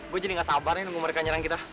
gue jadi gak sabar nih nunggu mereka nyerang kita